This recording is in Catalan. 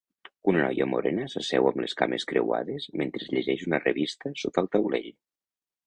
Una noia morena s'asseu amb les cames creuades mentre llegeix una revista sota el taulell.